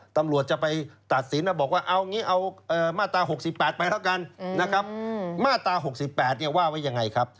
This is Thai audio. ตำรวจจะไปตัดสินแล้วบอกว่าเอามาตรา๖๘ไปแล้วกันมาตรา๖๘ว่าไว้อย่างไรครับ